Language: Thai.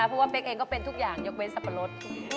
เพราะว่าเป๊กเองก็เป็นทุกอย่างยกเว้นสับปะรด